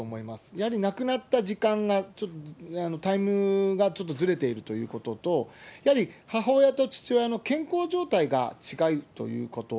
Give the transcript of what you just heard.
やはり亡くなった時間が、タイムがちょっとずれているということと、やはり母親と父親の健康状態が違うということ。